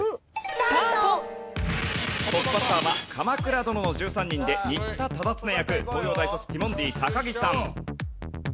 トップバッターは『鎌倉殿の１３人』で仁田忠常役東洋大卒ティモンディ高岸さん。